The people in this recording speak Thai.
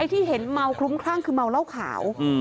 ที่เห็นเมาคลุ้มคลั่งคือเมาเหล้าขาว